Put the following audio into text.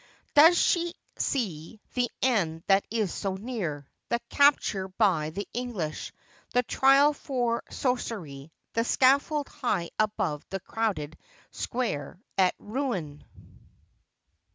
Does she see the end that is so near — the capture by the English, the trial for sorcery, the scaffold high above the crowded square at Rouen?